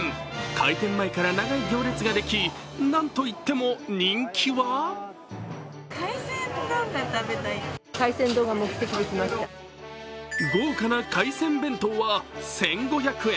開店前から長い行列ができ、なんといっても人気は豪華な海鮮弁当は１５００円。